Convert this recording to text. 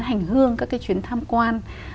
hành hương các cái chuyến tham quan